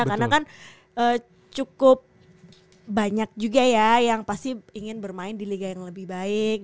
karena kan cukup banyak juga ya yang pasti ingin bermain di liga yang lebih baik